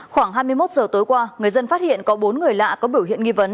khoảng hai mươi một giờ tối qua người dân phát hiện có bốn người lạ có biểu hiện nghi vấn